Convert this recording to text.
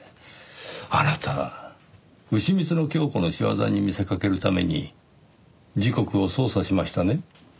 あなたうしみつのキョウコの仕業に見せかけるために時刻を操作しましたね？